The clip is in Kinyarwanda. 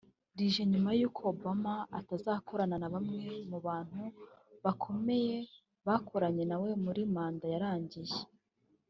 rije nyuma y’uko Obama atazanakorana na bamwe mu bantu bakomeye bakoranye na we muri manda yarangiye